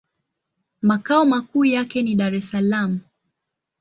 Makao makuu yake ni Dar-es-Salaam.